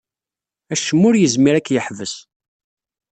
Acemma ur yezmir ad k-yeḥbes.